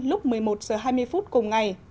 lúc một mươi một h hai mươi phút cùng ngày